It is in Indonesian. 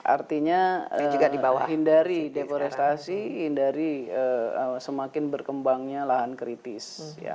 artinya juga hindari deforestasi hindari semakin berkembangnya lahan kritis